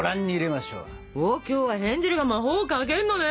今日はヘンゼルが魔法をかけるのね。